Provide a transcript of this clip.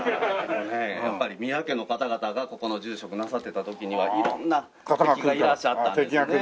やっぱり宮家の方々がここの住職なさってた時には色んな敵がいらっしゃったんですね。